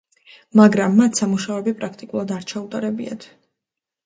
მაგრამ მათ სამუშაოები პრაქტიკულად არ ჩაუტარებიათ.